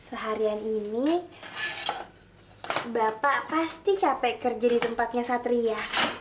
seharian ini bapak pasti capek kerja di tempatnya satria